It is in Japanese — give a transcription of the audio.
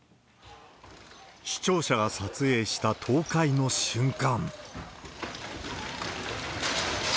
視聴者が撮影した倒壊の瞬間。